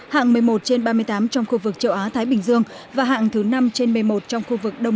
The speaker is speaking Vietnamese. hạng một mươi một trên ba mươi tám trong khu vực châu á thái bình dương và hạng thứ năm trên một mươi một trong khu vực đông